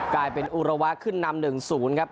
กลายเป็นอุระวะขึ้นนำ๑๐ครับ